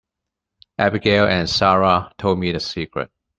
Abigail and Sara told me the secret.